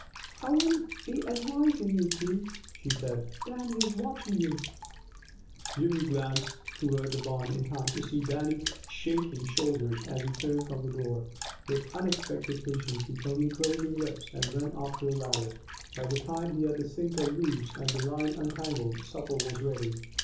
"I wouldn't be advisin' you to," she said. "Dannie is watching you." Jimmy glanced toward the barn in time to see Dannie's shaking shoulders as he turned from the door. With unexpected patience, he firmly closed his lips and went after a ladder. By the time he had the sinker loose and the line untangled, supper was ready.